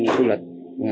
khu du lịch